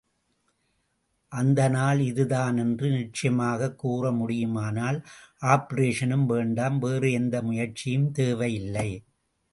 அந்த நாள் இதுதான் என்று நிச்சயமாகக் கூறமுடியுமானால் ஆப்பரேஷனும் வேண்டாம், வேறு எந்த முயற்சியும் தேவையில்லை.